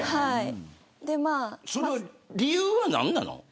それは理由は何なの。